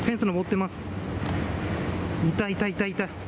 いたいたいたいた。